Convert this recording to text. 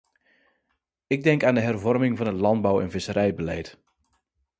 Ik denk aan de hervorming van het landbouw- en visserijbeleid.